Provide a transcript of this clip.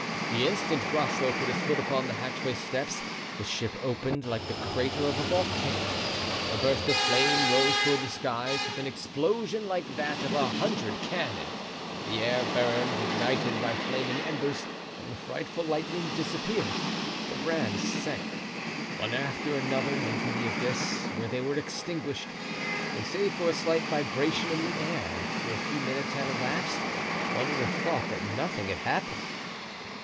The instant Groslow put his foot upon the hatchway steps the ship opened like the crater of a volcano. A burst of flame rose toward the skies with an explosion like that of a hundred cannon; the air burned, ignited by flaming embers, then the frightful lightning disappeared, the brands sank, one after another, into the abyss, where they were extinguished, and save for a slight vibration in the air, after a few minutes had elapsed one would have thought that nothing had happened.